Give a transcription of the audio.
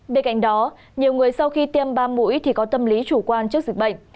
bên cạnh đó nhiều người sau khi tiêm ba mũi thì có tâm lý chủ quan trước dịch bệnh